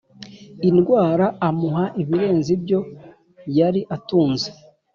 indwara amuha ibirenze ibyo yari atunze